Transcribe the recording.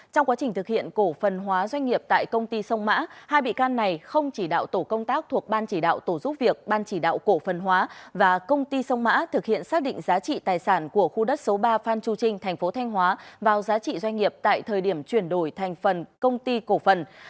trong quá trình thực hiện cổ phần hóa doanh nghiệp tại công ty sông mã hai bị can này không chỉ đạo tổ công tác thuộc ban chỉ đạo tổ giúp việc ban chỉ đạo cổ phần hóa và công ty sông mã thực hiện xác định giá trị tài sản của khu đất số ba phan chu trinh thành phố thanh hóa vào giá trị doanh nghiệp tại thời điểm chuyển đổi thành phần công ty cổ phần